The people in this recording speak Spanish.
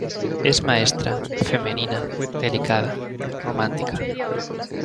Es maestra, femenina, delicada, romántica.